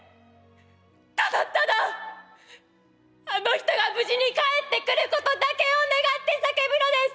ただただあの人が無事に帰ってくることだけを願って叫ぶのです。